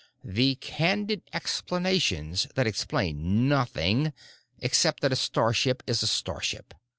The candid explanations that explain nothing—except that a starship is a starship.